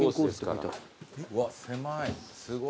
うわ狭い。